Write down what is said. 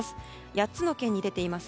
８つの県に出ています。